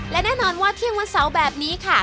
และแน่นอนว่าเที่ยงวันเสาร์แบบนี้ค่ะ